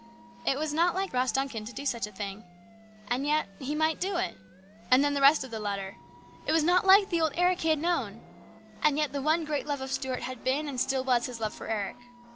It was not like Ross Duncan to do such a thing. And yet, he might do it. And then, the rest of the letter ; it was not like the old Eric he had known ; and yet, the one great love of Stuart had been and still was his love for Eric.